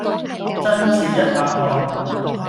真是一額汗